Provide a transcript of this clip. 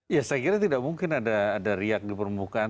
ya saya kira tidak mungkin ada riak di permukaan